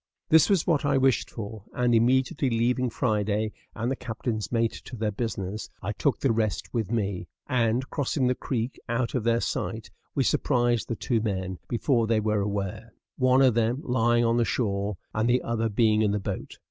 This was what I wished for, and, immediately leaving Friday and the captain's mate to their business, I took the rest with me; and, crossing the creek out of their sight, we surprised the two men before they were aware one of them lying on the shore, and the other being in the boat.